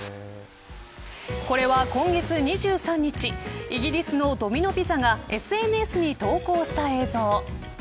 これは今月２３日イギリスのドミノ・ピザがＳＮＳに投稿した映像。